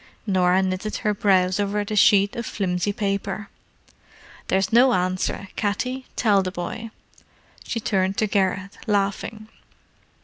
Norah knitted her brows over the sheet of flimsy paper. "There's no answer, Katty, tell the boy." She turned to Garrett, laughing.